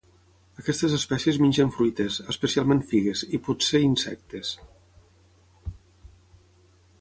Aquestes espècies mengen fruites, especialment figues, i potser insectes.